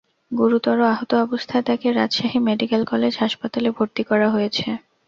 গুরুতর আহত অবস্থায় তাঁকে রাজশাহী মেডিকেল কলেজ হাসপাতালে ভর্তি করা হয়েছে।